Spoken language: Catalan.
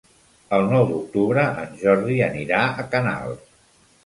El nou d'octubre en Jordi anirà a Canals.